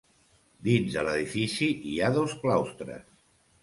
Dins de l'edifici hi ha dos claustres.